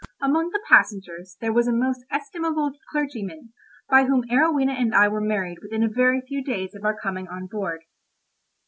Among the passengers there was a most estimable clergyman, by whom Arowhena and I were married within a very few days of our coming on board.